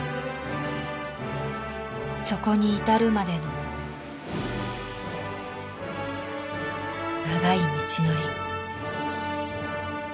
そこに至るまでの長い道のり